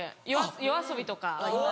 ＹＯＡＳＯＢＩとか。